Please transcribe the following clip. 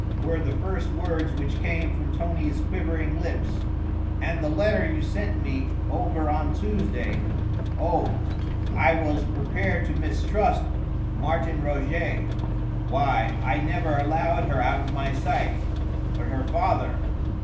were the first words which came from Tony's quivering lips, "and the letter you sent me over on Tuesday! Oh! I was prepared to mistrust Martin Roget. Why! I never allowed her out of my sight!... But her father!...